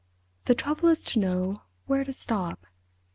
"The trouble is to know where to stop.